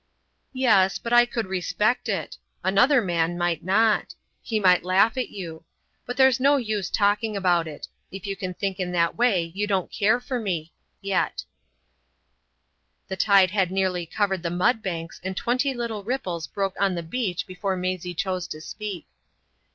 "Yes, but I could respect it. Another man might not. He might laugh at you. But there's no use talking about it. If you can think in that way you can't care for me—yet." The tide had nearly covered the mud banks and twenty little ripples broke on the beach before Maisie chose to speak.